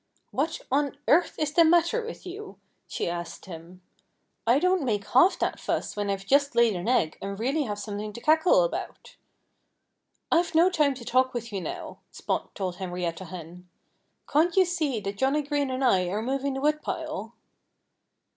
"What on earth is the matter with you?" she asked him. "I don't make half that fuss when I've just laid an egg and really have something to cackle about." "I've no time to talk with you now," Spot told Henrietta Hen. "Can't you see that Johnnie Green and I are moving the woodpile?"